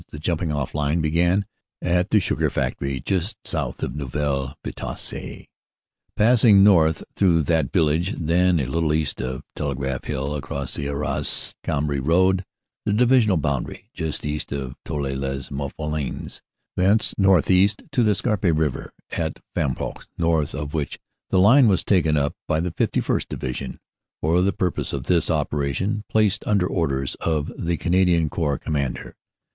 The jumping ofT line began at the Sugar Factory, just south of Neuville Vitasse, passing north through that vil lage, then a little east of Telegraph Hill, across the Arras Cambrai road (the Divisional boundary) just east of Tilloy lez Mofflaines, thence northeast to the Scarpe river at Fam poux, north of which the line was taken up by the 51st. Divi sion, for the purpose of this operation placed under orders of the Canadian Corps Commander.